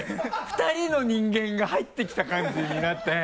２人の人間が入ってきた感じになって。